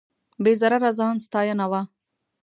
بې ضرره ځان ستاینه وه.